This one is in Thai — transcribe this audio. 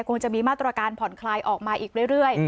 คงจะมีมาตรการผ่อนคลายออกมาอีกเรื่อย